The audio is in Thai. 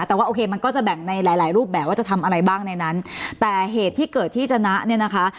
แต่ว่าโอเคมันก็จะแบ่งในหลายหลายรูปแบบว่าจะทำอะไรบ้างในนั้นแต่เหตุที่เกิดที่ชนะเนี่ยนะคะ